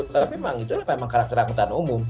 tapi memang itulah karakter angkutan umum